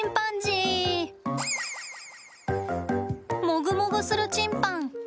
もぐもぐするチンパン！